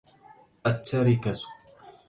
التّرِكة